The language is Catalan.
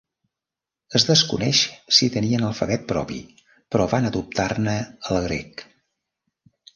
Es desconeix si tenien alfabet propi, però van adoptar-ne el grec.